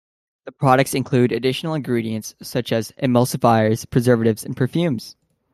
The products include additional ingredients such as emulsifiers, preservatives, and perfumes.